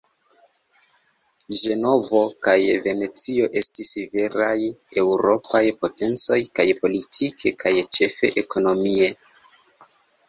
Ĝenovo kaj Venecio estis veraj eŭropaj potencoj kaj politike kaj ĉefe ekonomie.